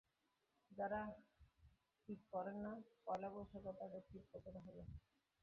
যাঁরা টিপ পরেন না, পয়লা বৈশাখে তাঁদের টিপ পরতে দেখা যায়।